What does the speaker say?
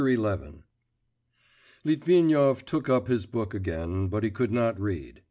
XI Litvinov took up his book again, but he could not read.